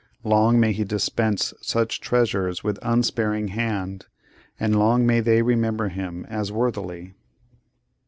Long may he dispense such treasures with unsparing hand; and long may they remember him as worthily!